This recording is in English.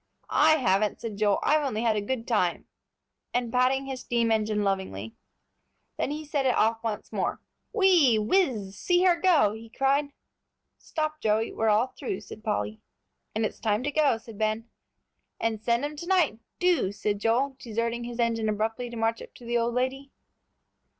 "I haven't," said Joel; "I've only had a good time," and patting his steam engine lovingly. Then he set it off once more. "Whee, whiz, see her go!" he cried. "Stop, Joey, we're all through," said Polly. "And it's time to go," said Ben. "And send 'em to night, do," said Joel, deserting his engine abruptly to march up to the old lady.